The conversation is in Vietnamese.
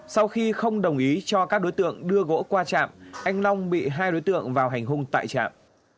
sau khi không đồng ý cho các đối tượng đưa gỗ qua trạm anh long bị hai đối tượng vào hành hung tại trạm